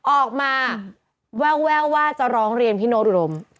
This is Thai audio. ออกมาแว้วว่าจะร้องเลียนพี่โน๊ตอู่โล่ม